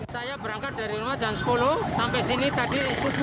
saya berangkat dari rumah jansepolo sampai sini tadi tujuh lima